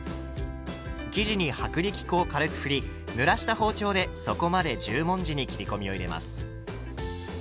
生地に薄力粉を軽くふりぬらした包丁で底まで十文字に切り込みを入れます。